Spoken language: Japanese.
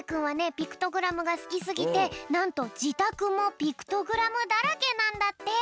ピクトグラムがすきすぎてなんとじたくもピクトグラムだらけなんだって。